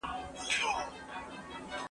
احمد شاه بابا ولي د هند د ژغورلو پرېکړه وکړه؟